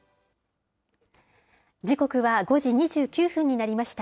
時刻は５時２９分になりました。